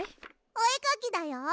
おえかきだよ。